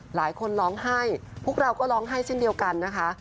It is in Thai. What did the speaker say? หลายคนร้องไห้พวกเราก็ร้องไห้เช่นเดียวกันนะคะ